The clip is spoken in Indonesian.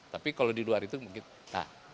tapi kalau di luar itu mungkin